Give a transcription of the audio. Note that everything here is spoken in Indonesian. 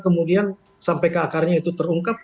kemudian sampai ke akarnya itu terungkap